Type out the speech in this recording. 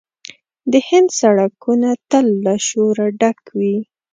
د هند سړکونه تل له شوره ډک وي.